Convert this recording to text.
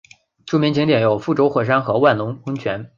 著名景点有覆舟火山和万隆温泉。